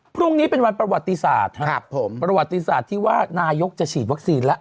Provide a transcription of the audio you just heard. พรุ่งนี้เป็นวันประวัติศาสตร์ครับผมประวัติศาสตร์ที่ว่านายกจะฉีดวัคซีนแล้ว